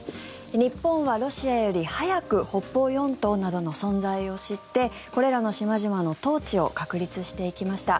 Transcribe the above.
日本は、ロシアより早く北方四島などの存在を知ってこれらの島々の統治を確立していきました。